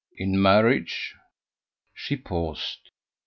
"In marriage." She paused.